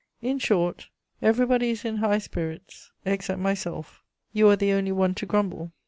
In short, everybody is in high spirits, except myself; you are the only one to grumble.